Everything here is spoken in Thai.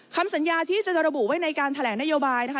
คำสัญญาที่จะระบุไว้ในการแถลงนโยบายนะคะ